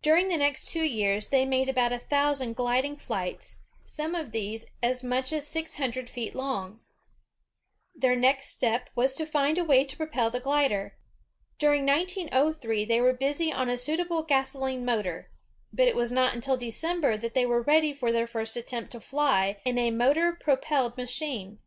During the next two years, they made about a thousand gliding flights, some of these as much as six hundred feet long. 'Jt^MM^ THE WRIGHT AIRSHIP IN FLIGHT Their next step was to find a way to propel the glider. During 1903 they were busy on a suitable gasoline motor, but it was not until December that they were ready for their first attempt to fly in a motor propelled machine.